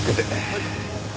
はい。